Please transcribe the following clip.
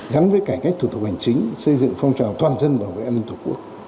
gắn với cải cách thủ tục hành chính xây dựng phong trào toàn dân bảo vệ an ninh tổ quốc